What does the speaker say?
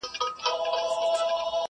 دېو که شیطان یې خو ښکرور یې!.